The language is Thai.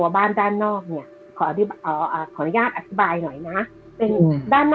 คือเรื่องนี้มันเกิดมาประสบการณ์ของรุ่นนี้มีคนที่เล่าให้พี่ฟังคือชื่อน้องปลานะคะ